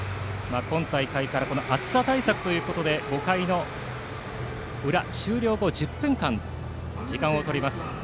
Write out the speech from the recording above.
今大会から暑さ対策ということで５回の裏終了後に１０分間時間をとります。